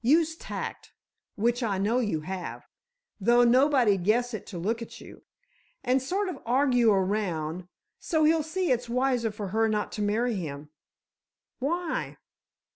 Use tact, which I know you have—though nobody'd guess it to look at you—and sort of argue around, so he'll see it's wiser for her not to marry him——" "Why?"